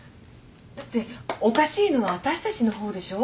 だっておかしいのは私たちの方でしょ？